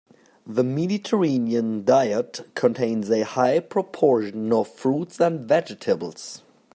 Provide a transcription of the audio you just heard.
The Mediterranean diet contains a high proportion of fruits and vegetables.